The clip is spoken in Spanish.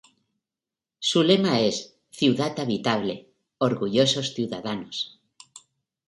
Su lema es ""Ciudad habitable, orgullosos ciudadanos"".